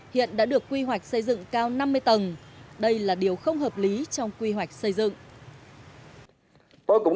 hiện đã được quy hoạch xây dựng cao năm mươi tầng đây là điều không hợp lý trong quy hoạch xây dựng